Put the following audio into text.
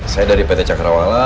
saya dari pt cakrawala